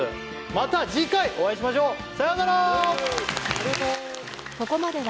また次回お会いしましょう。さようなら！